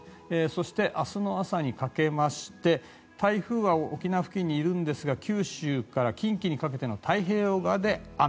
そして、明日の朝にかけまして台風は沖縄付近にいるんですが九州から近畿にかけての太平洋側で雨。